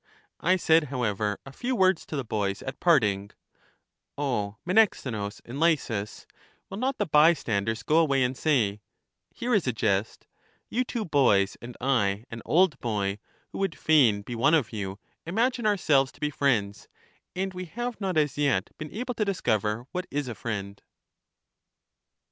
I said, however, a few words to the boys at parting : O Menexenus and Lysis, will not the bystanders go away, and say, " Here is a jest; you two boys, and I, an old boy, who would fain be one of you, imagine ourselves to be friends, and we have not as yet been able to discover what is a friend!